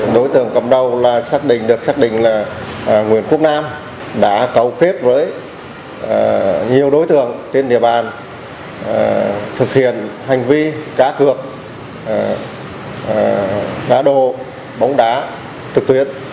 đối tượng cầm đầu được xác định là nguyễn quốc nam đã cầu kết với nhiều đối tượng trên địa bàn thực hiện hành vi cá cực cá đồ bóng đá trực tuyến